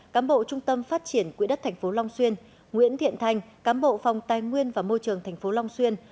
cám bộ trung tâm phát triển quỹ đất tp long xuyên nguyễn thiện thành cán bộ phòng tài nguyên và môi trường tp long xuyên